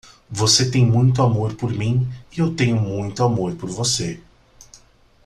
você tem muito amor por mim e eu tenho muito amor por você